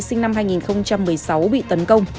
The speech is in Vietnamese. sinh năm hai nghìn một mươi sáu bị tấn công